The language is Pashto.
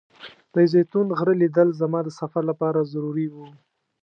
د زیتون غره لیدل زما د سفر لپاره ضروري و.